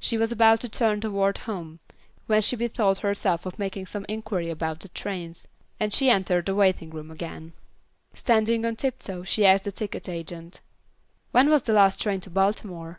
She was about to turn toward home, when she bethought herself of making some inquiry about the trains; and she entered the waiting room again. Standing on tiptoe she asked the ticket agent. "When was the last train to Baltimore?"